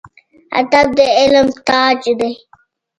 ادب د علم تاج دی